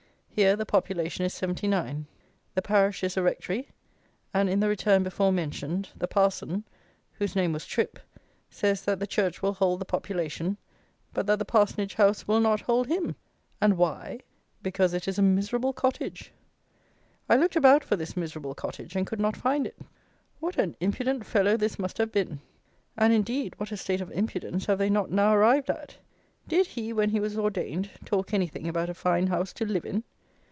Here the population is seventy nine. The parish is a rectory, and in the Return before mentioned, the parson (whose name was Tripp) says that the church will hold the population, but that the parsonage house will not hold him! And why? Because it is "a miserable cottage." I looked about for this "miserable cottage," and could not find it. What on impudent fellow this must have been! And, indeed, what a state of impudence have they not now arrived at! Did he, when he was ordained, talk anything about a fine house to live in?